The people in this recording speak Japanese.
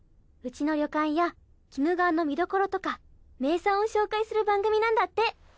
うちの旅館や鬼怒川の見どころとか名産を紹介する番組なんだって。